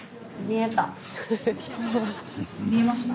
見えました？